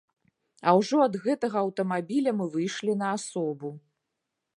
А ўжо ад гэтага аўтамабіля мы выйшлі на асобу.